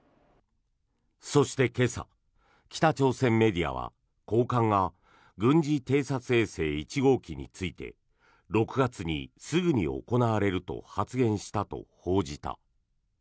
そして今朝、北朝鮮メディアは高官が軍事偵察衛星１号機について６月にすぐに行われると発言したと報じた。